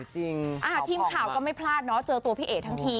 ทีมข่าวก็ไม่พลาดเนาะเจอตัวพี่เอ๋ทั้งที